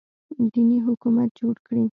دیني حکومت جوړ کړي